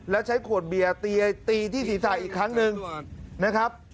แล้วใช้ขวดเบียร์ตีที่ศีรษะอีกครั้งหนึ่งนะครับ